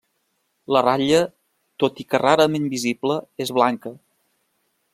La ratlla, tot i que rarament visible, és blanca.